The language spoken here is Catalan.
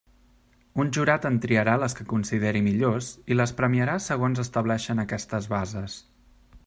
Un jurat en triarà les que consideri millors i les premiarà segons estableixen aquestes bases.